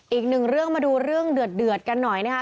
อีกหนึ่งเรื่องมาดูเรื่องเดือดกันหน่อยนะคะ